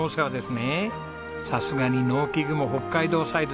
さすがに農機具も北海道サイズ。